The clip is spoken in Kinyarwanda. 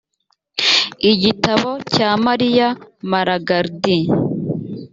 igitabo cya maria malagardis